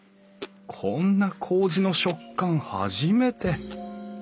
こんなこうじの食感初めて。